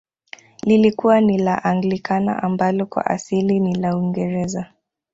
Lilikuwa ni la Anglikana ambalo kwa asili ni la uingereza